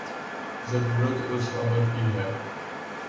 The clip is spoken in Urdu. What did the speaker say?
ضرورت اس امر کی ہے